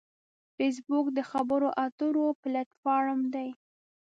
فېسبوک د خبرو اترو پلیټ فارم دی